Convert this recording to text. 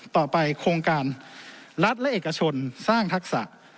โครงการรัฐและเอกชนสร้างทักษะ